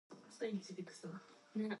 He was a gentleman.